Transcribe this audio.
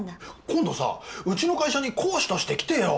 今度さうちの会社に講師として来てよ。